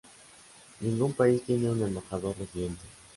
Ningún país tiene un embajador residente.